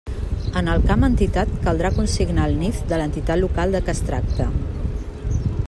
En el camp Entitat caldrà consignar el NIF de l'entitat local de què es tracte.